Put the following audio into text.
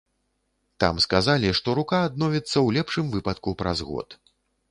Там сказалі, што рука адновіцца ў лепшым выпадку праз год.